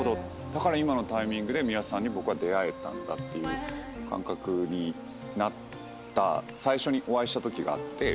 だから今のタイミングで美輪さんに僕は出会えたんだっていう感覚になった最初にお会いしたときがあって。